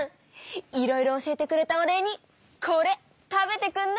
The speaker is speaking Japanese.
いろいろ教えてくれたお礼にこれ食べてくんな！